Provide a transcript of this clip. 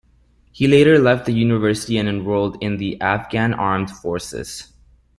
He later left the university and enrolled in the Afghan Armed Forces.